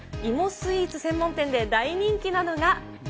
スイーツ専門店で大人気なのが。